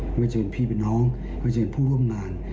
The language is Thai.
ไม่ว่าจะเป็นพี่เป็นน้องไม่ว่าจะเป็นผู้ร่วมงาน